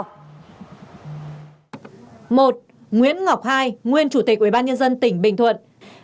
một nguyễn ngọc hai nguyên chủ tịch ubnd tỉnh bình thuận